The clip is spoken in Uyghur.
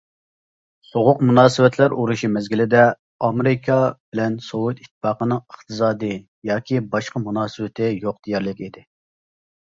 سوغۇق مۇناسىۋەتلەر ئۇرۇشى مەزگىلىدە، ئامېرىكا بىلەن سوۋېت ئىتتىپاقىنىڭ ئىقتىسادىي ياكى باشقا مۇناسىۋىتى يوق دېيەرلىك ئىدى.